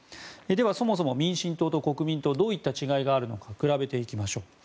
では、そもそも民進党と国民党どういった違いがあるのか比べていきましょう。